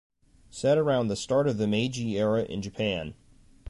Set around the start of the Meiji era in Japan.